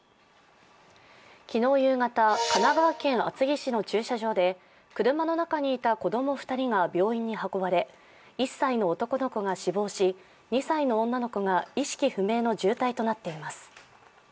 昨日夕方、神奈川県厚木市の駐車場で車の中にいた子供２人が病院に運ばれ、１歳の男の子が死亡し、２歳の女の子が意識不明の重体となっています。